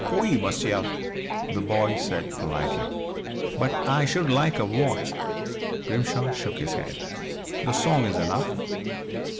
"Oui, monsieur," the boy said politely. "But I should like a watch." Grimshaw shook his head. "The song is enough."